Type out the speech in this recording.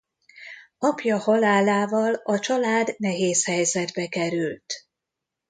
Apja halálával a család nehéz helyzetbe került.